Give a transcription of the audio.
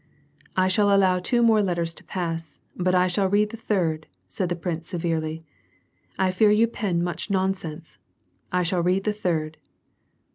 " I shall allow two more letters to pass, but I shall read the third," said the prince, severely. " I fear you pen much non sense. I shall read the third."